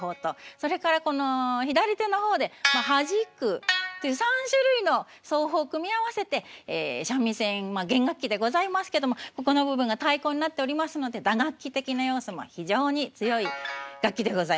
それからこの左手の方で「はじく」という３種類の奏法を組み合わせて三味線弦楽器でございますけどもここの部分が太鼓になっておりますので打楽器的な要素も非常に強い楽器でございます。